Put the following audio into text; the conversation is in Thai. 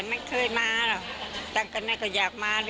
โอ้ยฉันไม่เคยมาหรอกต้องการอะไรก็อยากมาเลย